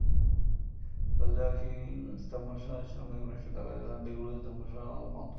ব্লো-ব্জাং-ছোস-ক্যি-র্গ্যাল-ম্ত্শানের সঙ্গে ঘনিষ্ঠতা থাকায় তারা দ্গে-লুগ্স ধর্মসম্প্রদায়ের অন্তর্গত হন।